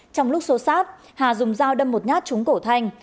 trong lúc xô xát hà dùng dao đâm một nhát trúng cổ thanh